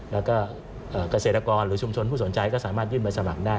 แล้วก็เกษตรกรหรือชุมชนผู้สนใจก็สามารถยื่นใบสมัครได้